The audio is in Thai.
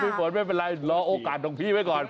พี่ฝนไม่เป็นไรลองโอกาสดงพี่ไว้ก่อน